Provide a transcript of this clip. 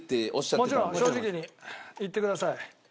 もちろん正直に言ってください。